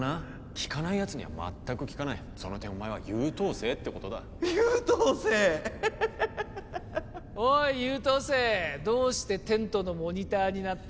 効かないやつには全く効かないその点お前は優等生ってことだ優等生エッヘッヘッおい優等生どうしてテントのモニターになった？